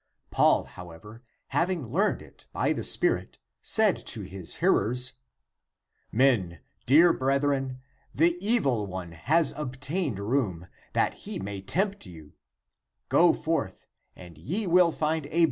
Paul, however, having learned it by the Spirit, said to his hearers, " Men, dear brethren, the evil one has obtained room, that he may tempt you; go forth and ye will find a boy Amen.